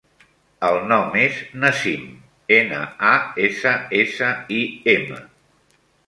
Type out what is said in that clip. El nom és Nassim: ena, a, essa, essa, i, ema.